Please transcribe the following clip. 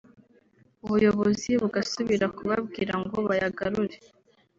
ubuyobozi bugasubira kubabwira ngo bayagarure